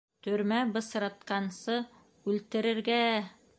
— Төрмә бысратҡансы, үлтерергә-ә-ә!